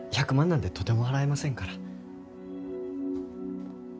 １００万なんてとても払えませんから。